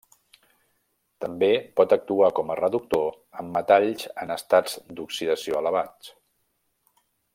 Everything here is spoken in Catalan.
També pot actuar com a reductor amb metalls en estats d’oxidació elevats.